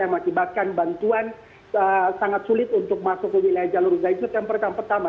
yang menyebabkan bantuan sangat sulit untuk masuk ke wilayah jalur gaza itu yang pertama